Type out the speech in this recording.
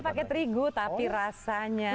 pakai terigu tapi rasanya